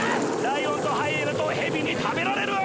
ライオンとハイエナとヘビに食べられる！